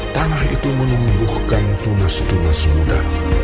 tanah itu menumbuhkan tunas tunas muda